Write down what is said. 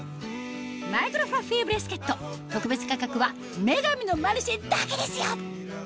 マイクロフラッフィーブレスケット特別価格は『女神のマルシェ』だけですよ